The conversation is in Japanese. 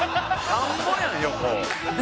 「田んぼやん横」